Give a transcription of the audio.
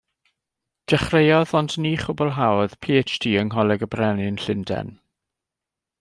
Dechreuodd, ond ni chwblhaodd, PhD yng Ngholeg y Brenin, Llundain.